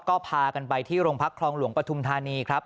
ก็พากันไปที่โรงพักคลองหลวงปฐุมธานีครับ